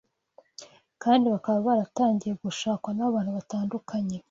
kandi bakaba baratangiye gushakwa n’abantu batandukanye